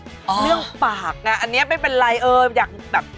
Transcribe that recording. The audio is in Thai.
เรื่องปากนะอันนี้ไม่เป็นไรเอออยากแบบ